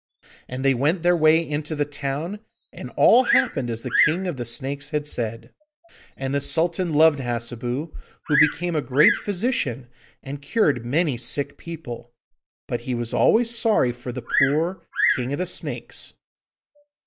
And they went their way into the town, and all happened as the King of the Snakes had said. And the Sultan loved Hassebu, who became a great physician, and cured many sick people. But he was always sorry for the poor King of the Snakes.